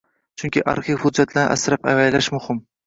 Chunki arxiv hujjatlarini asrab-avaylash muhim.